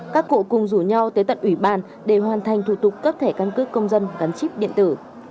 các cụ cùng rủ nhau tới tận ủy bàn để hoàn thành thủ tục cấp thẻ căn cước công dân gắn chip điện tử